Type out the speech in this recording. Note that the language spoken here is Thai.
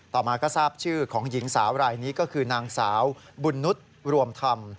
ต่อมาก็ทราบชื่อของหญิงสาวรายนี้ก็คือนางสาวบุญนุษย์รวมธรรม